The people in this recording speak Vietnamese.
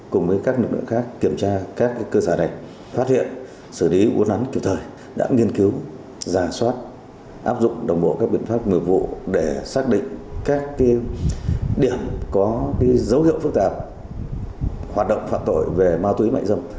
cùng với các nước nước khác kiểm tra các cơ sở này phát hiện xử lý quân án kiểu thời đã nghiên cứu giả soát áp dụng đồng bộ các biện pháp mượn vụ để xác định các điểm có dấu hiệu phức tạp hoạt động phạm tội về ma túy mại dâm